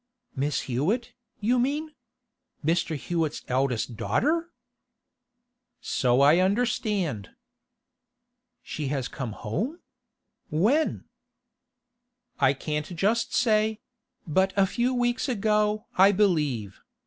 'Miss Hewett, you mean? Mr. Hewett's eldest daughter?' 'So I understand.' 'She has come home? When?' 'I can't just say; but a few weeks ago, I believe.